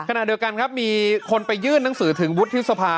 ขณะเดียวกันครับมีคนไปยื่นหนังสือถึงวุฒิสภา